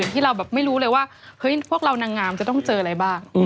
ที่เราแบบไม่รู้เลยว่าเฮ้ยพวกเรานางงามจะต้องเจออะไรบ้าง